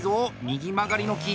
右曲がりの木。